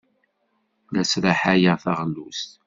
La sraḥayeɣ taɣlust.